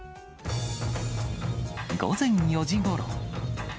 午前４時ごろ。